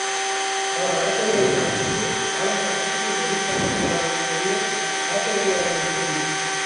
அவர் அரசர்களின் ஆட்சிக்கு, ஆளும் சக்திக்கு மதிப்பளிக்கிறாரே தவிர, அரசர்களை அவர் மதிப்பது இல்லை!